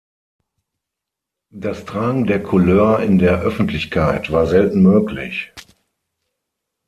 Das Tragen der Couleur in der Öffentlichkeit war selten möglich.